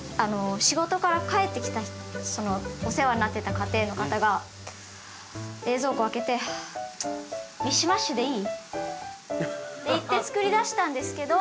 仕事から帰ってきたお世話になってた家庭の方が冷蔵庫開けて「はあチッミッシュマッシュでいい？」って言ってつくり出したんですけど。